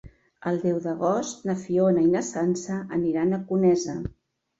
El deu d'agost na Fiona i na Sança aniran a Conesa.